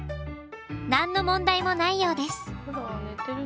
何の問題もないようです！